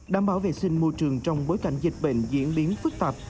đảm bảo vệ sinh môi trường trong bối cảnh dịch bệnh diễn biến phức tạp